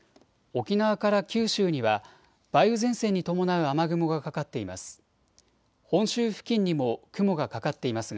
沖縄から九州には梅雨前線に伴う雨雲がかかっています。